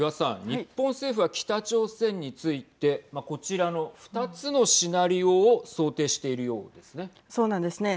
日本政府は北朝鮮についてこちらの２つのシナリオをそうなんですね。